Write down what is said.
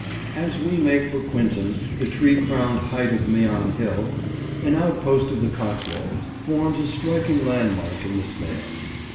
As we make for Quinton the tree crowned height of Meon Hill, an outpost of the Cotswolds, forms a striking landmark in this vale.